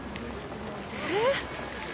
えっ！